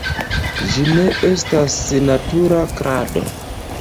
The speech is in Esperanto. Ĝi ne estas natura klado.